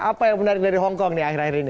apa yang menarik dari hongkong nih akhir akhir ini